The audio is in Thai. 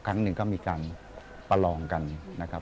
ครั้งหนึ่งก็มีการประลองกันนะครับ